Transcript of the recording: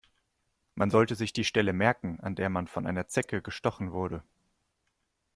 Man sollte sich die Stelle merken, an der man von einer Zecke gestochen wurde.